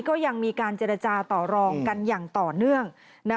ก็ยังมีการเจรจาต่อรองกันอย่างต่อเนื่อง